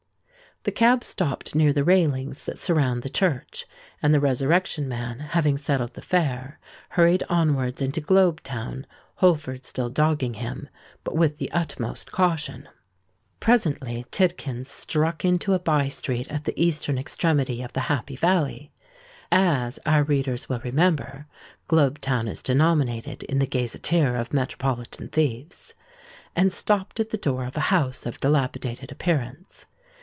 The cab stopped near the railings that surround the church; and the Resurrection Man, having settled the fare, hurried onwards into Globe Town, Holford still dogging him—but with the utmost caution. Presently Tidkins struck into a bye street at the eastern extremity of the Happy Valley (as, our readers will remember, Globe Town is denominated in the gazetteer of metropolitan thieves), and stopped at the door of a house of dilapidated appearance.